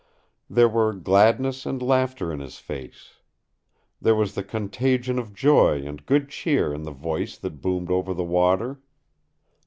There were gladness and laughter in his face. There was the contagion of joy and good cheer in the voice that boomed over the water.